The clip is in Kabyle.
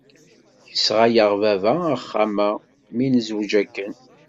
Yesɣa-yaɣ baba axxam-a mi nezweǧ akken.